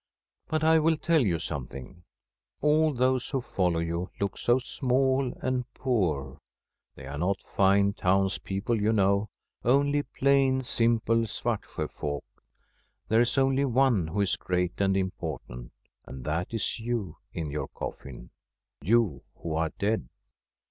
But I will tell you something: All those who follow you look so small and poor. They are not fine town's people, you know— only plain, simple Svartsjo folk. There is only one who is great and important, and that is you in your comn — you who are dead.